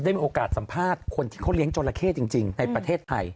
มีโอกาสสัมภาษณ์คนที่เขาเลี้ยงจราเข้จริงในประเทศไทย